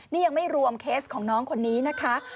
นี่ยังไม่รวมเคสของน้องคนนี้นะคะ